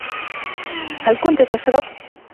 هل كنت تشرب؟